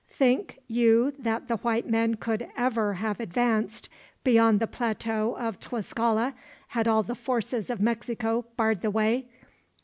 Think you that the white men could ever have advanced beyond the plateau of Tlascala, had all the forces of Mexico barred the way?